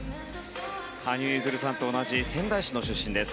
羽生結弦さんと同じ仙台市の出身です。